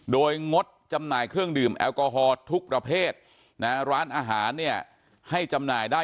โดยงดจำหน่ายเครื่องดื่มแอลกอฮอลทุกประเภทนะร้านอาหารเนี่ยให้จำหน่ายได้